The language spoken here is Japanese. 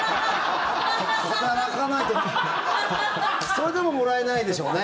働かないとそれでももらえないでしょうね。